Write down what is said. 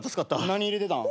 何入れてたん？